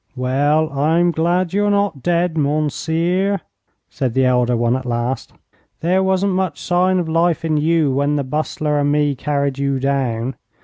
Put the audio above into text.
'Well, I'm glad you're not dead, mounseer,' said the elder one at last. 'There wasn't much sign of life in you when the Bustler and me carried you down.